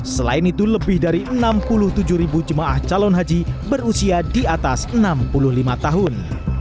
selain itu lebih dari enam puluh tujuh ribu jemaah calon haji berusia di atas enam puluh lima tahun